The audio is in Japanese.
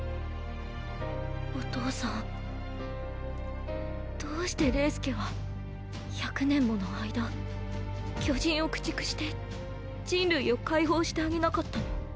お父さんどうしてレイス家は１００年もの間巨人を駆逐して人類を解放してあげなかったの？